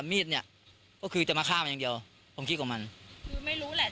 มีดเนี่ยก็คือจะมาฆ่ามันอย่างเดียวผมคิดของมันคือไม่รู้แหละ